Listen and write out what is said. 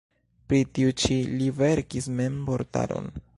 Pri tiu ĉi li verkis mem vortaron.